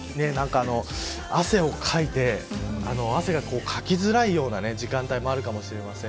汗をかきづらいような時間帯もあるかもしれません。